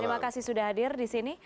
terima kasih sudah hadir di sini